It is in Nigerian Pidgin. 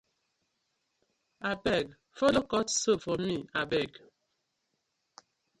Abeg follo cut soap for mi abeg.